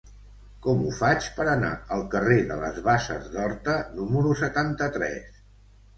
Com ho faig per anar al carrer de les Basses d'Horta número setanta-tres?